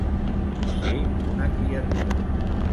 Ser una criatura.